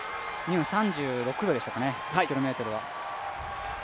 ２分３６秒でしたかね、１ｋｍが。